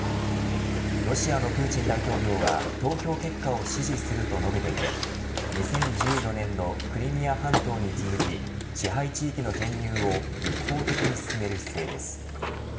ロシアのプーチン大統領は投票結果を支持すると述べていて２０１４年のクリミア半島に続き支配地域の編入を一方的に進める姿勢です。